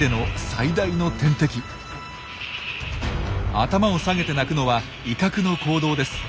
頭を下げて鳴くのは威嚇の行動です。